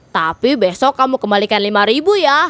tapi besok kamu kembalikan lima ribu ya